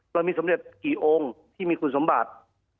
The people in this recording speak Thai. เรามีสมเด็จกี่องค์ที่มีคุณสมบัติ